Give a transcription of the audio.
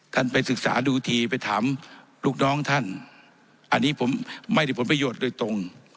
ไปศึกษาดูทีไปถามลูกน้องท่านอันนี้ผมไม่ได้ผลประโยชน์โดยตรง